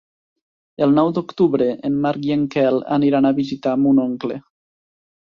El nou d'octubre en Marc i en Quel aniran a visitar mon oncle.